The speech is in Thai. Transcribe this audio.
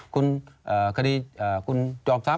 คุณคดีคุณจอมทรัพ